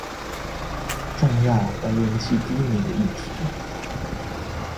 重要而人氣低迷的議題